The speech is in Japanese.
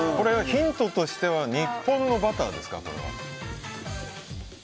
ヒントとしては日本のバターですか？